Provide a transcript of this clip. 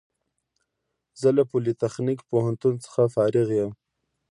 زه له پولیتخنیک پوهنتون څخه فارغ یم